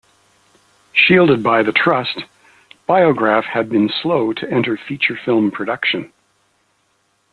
Shielded by the Trust, Biograph had been slow to enter feature film production.